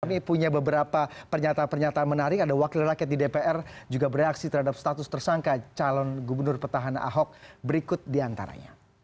ini punya beberapa pernyata pernyata menarik ada wakil lelaki di dpr juga bereaksi terhadap status tersangka calon gubernur pertahanan ahok berikut di antaranya